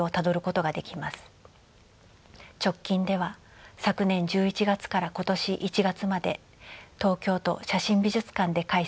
直近では昨年１１月から今年１月まで東京都写真美術館で開催されました。